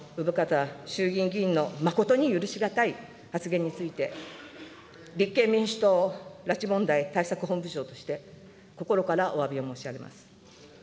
このたびの生方衆議院議員の誠に許し難い発言について、立憲民主党拉致問題対策本部長として、心からおわびを申し上げます。